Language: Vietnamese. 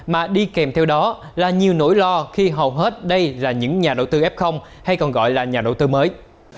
mà đi kèm theo đó là nhiều nỗi lo khi hầu hết đây là những nhà đầu tư f hay còn gọi là nhà đầu tư mới